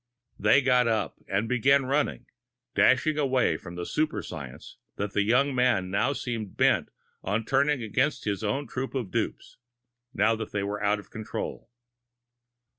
They got up and began running, dashing away from the super science that the young man now seemed bent on turning against his own troop of dupes, now that they were out of control.